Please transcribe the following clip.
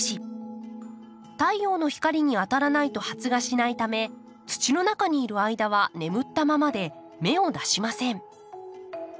太陽の光に当たらないと発芽しないため土の中にいる間は眠ったままで芽を出しません。